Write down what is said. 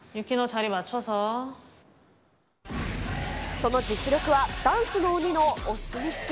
その実力はダンスの鬼のお墨付き。